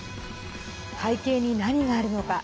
背景に何があるのか。